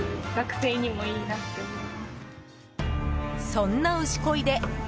そんな牛恋で